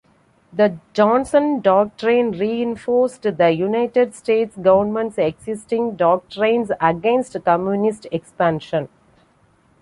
The Johnson Doctrine reinforced the United States government's existing doctrines against communist expansion.